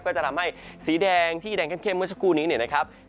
ก็จะทำให้สีแดงที่แดงเข้มเมื่อสักครู่นี้เนี่ยนะครับ